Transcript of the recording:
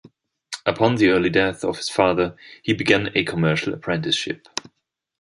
Upon the early death of his father, he began a commercial apprenticeship.